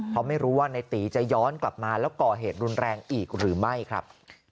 เพราะไม่รู้ว่าในตีจะย้อนกลับมาแล้วก่อเหตุรุนแรงอีกหรือไม่ครับ